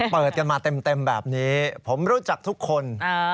เปิดกันมาเต็มแบบนี้ผมรู้จักทุกคน